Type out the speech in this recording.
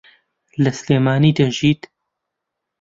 لە سلێمانی دەژیت.